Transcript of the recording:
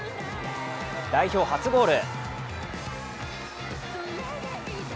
代表初ゴール。